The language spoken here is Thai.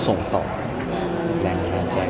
ส่งต่อกับแรงบันดาลใจ